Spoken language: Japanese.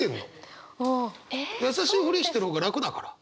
優しいふりしてる方が楽だから。